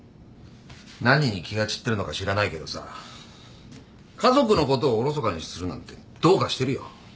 何に気が散ってるのか知らないけどさ家族のことをおろそかにするなんてどうかしてるよ。